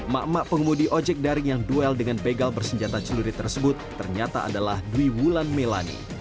mak mak pengemudi ojek daring yang duel dengan begal bersenjata celurit tersebut ternyata adalah dwi wulan melani